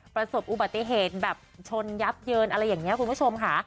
ประสบอุบัติเหตุแบบชนยับเยินอะไรอย่างนี้คุณผู้ชมค่ะ